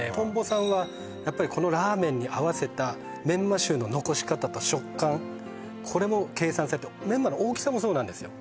Ｔｏｍｂｏさんはやっぱりこのラーメンに合わせたメンマ臭の残し方と食感これも計算されたメンマの大きさもそうなんですよ